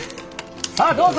さあどうぞ！